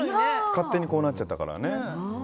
勝手にこうなっちゃったからね。